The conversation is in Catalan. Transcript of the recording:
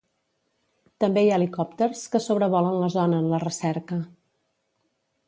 També hi ha helicòpters que sobrevolen la zona en la recerca.